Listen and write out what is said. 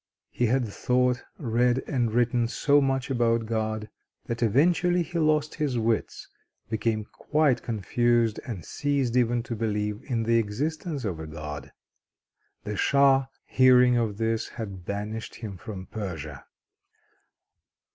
He had thought, read, and written so much about God, that eventually he lost his wits, became quite confused, and ceased even to believe in the existence of a God. The Shah, hearing of this, had banished him from Persia.